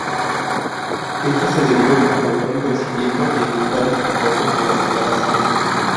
Esto se debió al notorio crecimiento de usuarios con fotos relacionadas a estas.